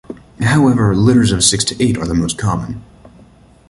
However, litters of six to eight are the most common.